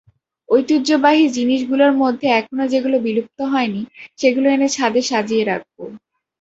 ঐতিহ্যবাহী জিনিসগুলোর মধ্যে এখনো যেগুলো বিলুপ্ত হয়নি, সেগুলো এনে ছাদে সাজিয়ে রাখব।